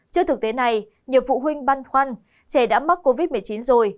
trước thực tế này nhiều phụ huynh băn khoăn trẻ đã mắc covid một mươi chín rồi